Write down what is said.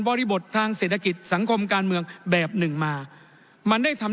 บริบททางเศรษฐกิจสังคมการเมืองแบบหนึ่งมามันได้ทำ